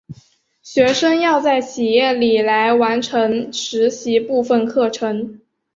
学生要在企业里来完成实习部分课程。